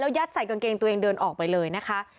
ยัดใส่กางเกงตัวเองเดินออกไปเลยนะคะ